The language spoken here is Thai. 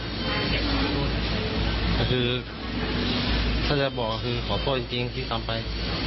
คือท่านแทนบอกคือขอโทษจริงที่ทำไป